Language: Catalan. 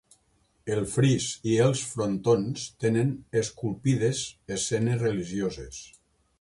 El fris i els frontons tenen esculpides escenes religioses.